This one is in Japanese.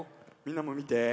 みんなもみて。